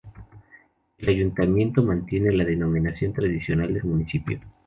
El ayuntamiento mantiene la denominación tradicional del municipio.